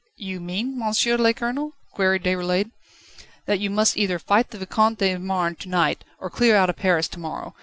"You mean, Monsieur le Colonel?" queried Déroulède. "That you must either fight the Vicomte de Marny to night, or clear out of Paris to morrow.